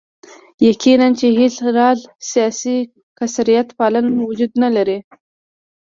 یقیناً چې هېڅ راز سیاسي کثرت پالنه وجود نه لري.